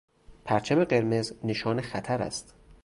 پرچم قرمز نشان خطر است.